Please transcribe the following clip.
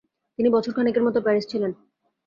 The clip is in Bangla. তিনি বছরখানেকের মত প্যারিসে ছিলেন।